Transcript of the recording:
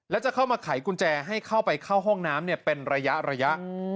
แล้วจะเข้ามาไขกุญแจให้เข้าไปเข้าห้องน้ำเป็นระยะ